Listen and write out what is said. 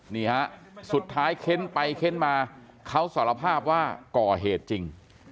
นี่ฮะสุดท้ายเค้นไปเค้นมาเขาสารภาพว่าก่อเหตุจริง